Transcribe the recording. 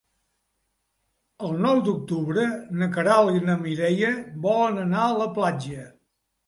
El nou d'octubre na Queralt i na Mireia volen anar a la platja.